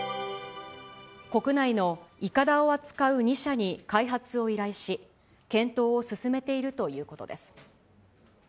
国内のいかだを扱う２社に開発を依頼し、検討を進めているということです。